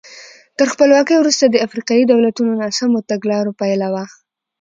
تر خپلواکۍ وروسته د افریقایي دولتونو ناسمو تګلارو پایله وه.